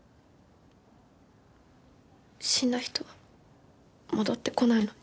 死んだ人は戻ってこないのに。